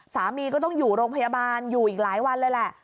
สามีก็ต้องอยู่โรงพยาบาลอยู่อีกหลายวันเลยแหละ